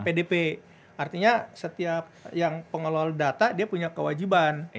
pdp artinya setiap yang pengelola data dia punya kewajiban